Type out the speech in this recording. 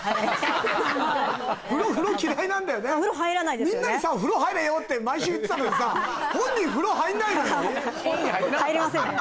みんなにさ風呂入れよって毎週言ってたのにさ本人風呂入んないのよ入りませんね